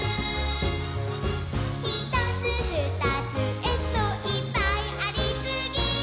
「ひとつふたつえっといっぱいありすぎー！！」